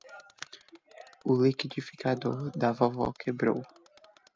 O liquidificador da vovó quebrou.